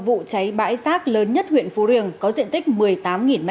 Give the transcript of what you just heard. vụ cháy bãi rác lớn nhất huyện phú riềng có diện tích một mươi tám m hai